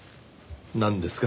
なんですか？